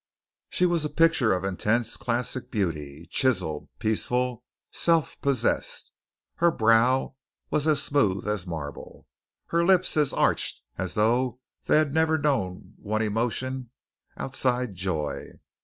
She was a picture of intense classic beauty, chiseled, peaceful, self possessed. Her brow was as smooth as marble, her lips as arched as though they had never known one emotion outside joy.